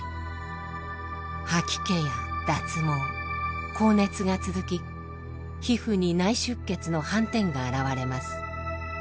吐き気や脱毛高熱が続き皮膚に内出血の斑点が現れます。